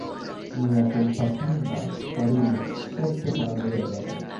Mia kompatinda karulo certe baldaŭ revenos.